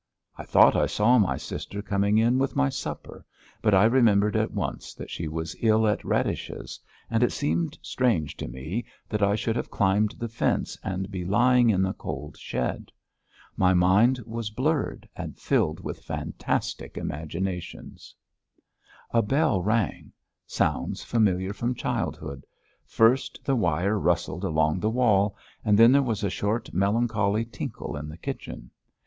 I thought I saw my sister coming in with my supper, but I remembered at once that she was ill at Radish's, and it seemed strange to me that I should have climbed the fence and be lying in the cold shed. My mind was blurred and filled with fantastic imaginations. A bell rang; sounds familiar from childhood; first the wire rustled along the wall, and then there was a short, melancholy tinkle in the kitchen.